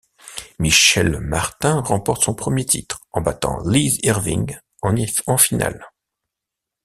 Michelle Martin remporte son premier titre en battant Liz Irving en finale.